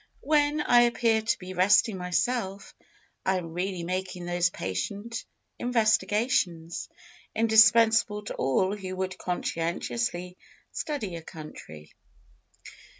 When I appear to be resting myself, I am really making those patient investigations, indispensable to all who would conscientiously study a country."